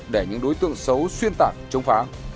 để những đối tượng xấu xuyên tạc chống phá